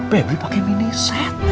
pebri pake mini set